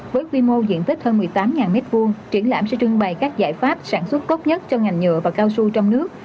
với quy mô diện tích hơn một mươi tám m hai triển lãm sẽ trưng bày các giải pháp sản xuất tốt nhất cho ngành nhựa và cao su trong nước